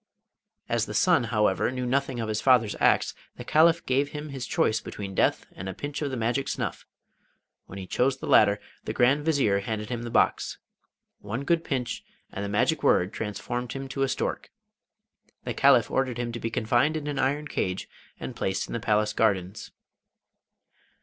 As the son, however, knew nothing of his father's acts, the Caliph gave him his choice between death and a pinch of the magic snuff. When he chose the latter, the Grand Vizier handed him the box. One good pinch, and the magic word transformed him to a stork. The Caliph ordered him to be confined in an iron cage, and placed in the palace gardens.